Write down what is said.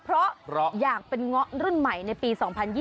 เพราะอยากเป็นเงาะรุ่นใหม่ในปี๒๐๒๐